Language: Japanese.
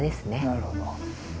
なるほど。